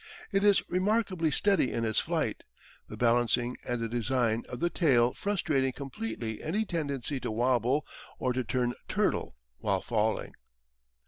It is remarkably steady in its flight, the balancing and the design of the tail frustrating completely any tendency to wobble or to turn turtle while falling.